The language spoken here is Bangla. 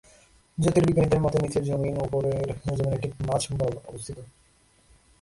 জ্যোতির্বিজ্ঞানীদের মতে, নীচের যমীন উপরের যমীনের ঠিক মাঝ বরাবর অবস্থিত।